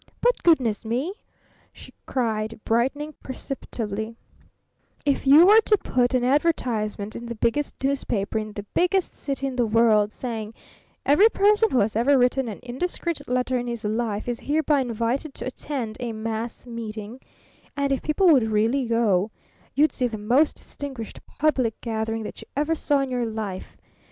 But goodness me!" she cried, brightening perceptibly; "if you were to put an advertisement in the biggest newspaper in the biggest city in the world, saying: 'Every person who has ever written an indiscreet letter in his life is hereby invited to attend a mass meeting' and if people would really go you'd see the most distinguished public gathering that you ever saw in your life!